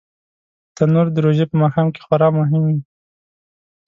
تنور د روژې په ماښام کې خورا مهم وي